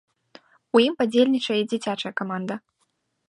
У ім паўдзельнічае і дзіцячая каманда.